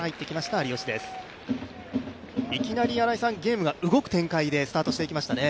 いきなりゲームが動く展開でスタートしていきましたね。